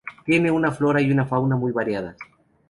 Tiene una flora y una fauna muy variadas.